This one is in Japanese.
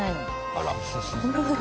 あら。